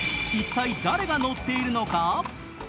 一体、誰が乗っているのか？